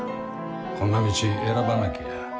「こんな道選ばなけりゃ」。